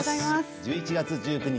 １１月１９日